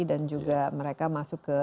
dan juga mereka masuk ke